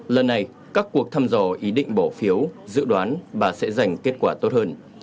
lần này các cuộc thăm dò ý định bầu phiếu dự đoán bà sẽ giành kết quả tốt hơn